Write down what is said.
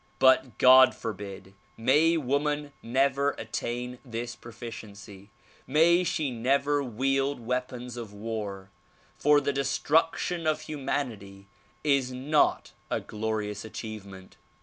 But God forbid ! May woman never attain this proficiency ; may she never wield weapons of war; for the destruction of humanity is not a glorious achievement.